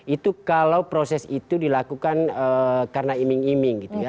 itu kalau proses itu dilakukan karena iming iming gitu ya